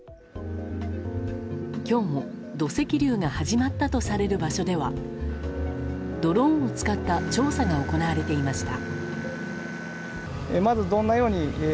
今日も、土石流が始まったとされる場所ではドローンを使った調査が行われていました。